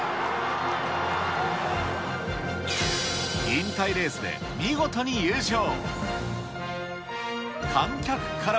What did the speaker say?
引退レースで見事に優勝。